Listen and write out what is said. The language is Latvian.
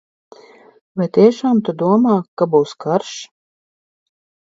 Vai tiešām tu domā, ka būs karš?